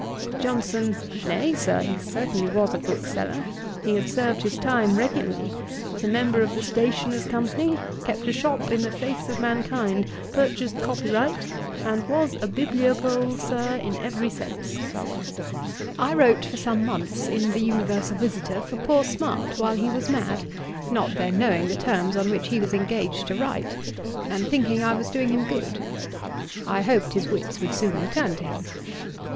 JOHNSON. 'Nay, Sir; he certainly was a bookseller. He had served his time regularly, was a member of the Stationers' company, kept a shop in the face of mankind, purchased copyright, and was a bibliopole, Sir, in every sense. I wrote for some months in The Universal Visitor, for poor Smart, while he was mad, not then knowing the terms on which he was engaged to write, and thinking I was doing him good. I hoped his wits would soon return to him.